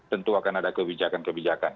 tentu akan ada kebijakan kebijakan